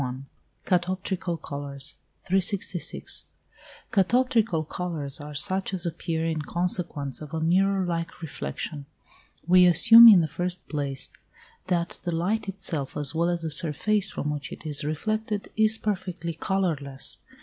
XXXI. CATOPTRICAL COLOURS. 366. Catoptrical colours are such as appear in consequence of a mirror like reflection. We assume, in the first place, that the light itself as well as the surface from which it is reflected, is perfectly colourless.